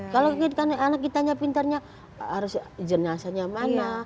kalau kita anak kita pintarnya harus jenazahnya mana